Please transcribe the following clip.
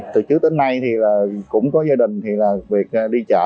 từ trước đến nay thì là cũng có gia đình thì là việc đi chợ